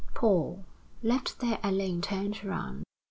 Paul, left there alone, turned round.